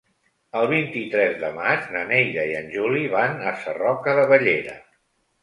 El vint-i-tres de maig na Neida i en Juli van a Sarroca de Bellera.